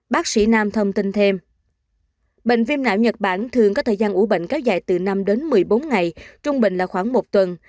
bác sĩ nam thông tin thêm bệnh viêm não nhật bản thường có thời gian ủ bệnh kéo dài từ năm đến một mươi bốn ngày trung bình là khoảng một tuần